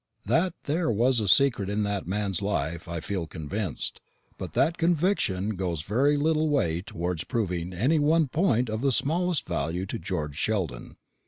That there was a secret in the man's life I feel convinced; but that conviction goes very little way towards proving any one point of the smallest value to George Sheldon.